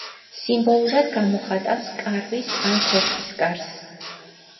სიმბოლურად გამოხატავს კარვის ან ქოხის კარს.